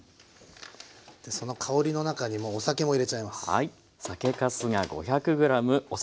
その香りの中にもお酒も入れちゃいます。